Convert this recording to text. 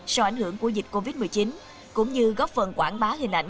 sau ảnh hưởng của dịch covid một mươi chín cũng như góp phần quảng bá hình ảnh